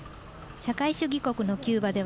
社会主義国のキューバでは